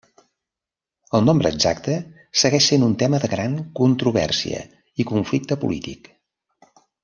El nombre exacte segueix sent un tema de gran controvèrsia i conflicte polític.